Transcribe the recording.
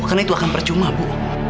karena itu akan percuma bu